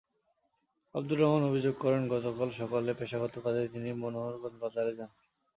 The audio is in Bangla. আবদুর রহমান অভিযোগ করেন, গতকাল সকালে পেশাগত কাজে তিনি মনোহরগঞ্জ বাজারে যান।